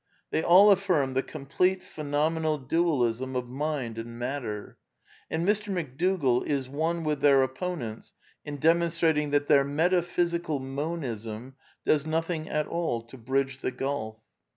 They all affirm the complete phenomenal Dual ism of mind and matter. And Mr. McDougall is one with their opponents in demonstrating that their metaphysical Monism does nothing at all to bridge the gulf.